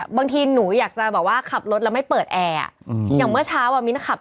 บางทีหนูอยากจะแบบว่าขับรถแล้วไม่เปิดแอร์อย่างเมื่อเช้าอ่ะมิ้นขับ